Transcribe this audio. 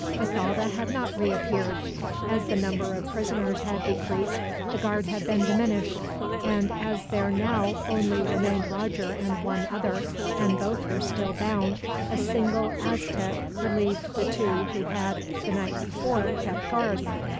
Bathalda had not reappeared. As the number of prisoners had decreased, the guard had been diminished; and as there now only remained Roger and one other, and both were still bound, a single Aztec relieved the two who had, the night before, kept guard.